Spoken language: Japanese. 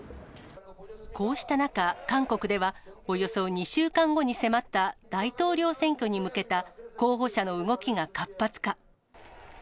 こうした中、韓国では、およそ２週間後に迫った大統領選挙に向けた候補者の動きが活発化。